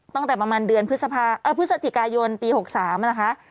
ตั้งแต่ประมาณเดือนพฤศจิกายนปี๖๓นะคะ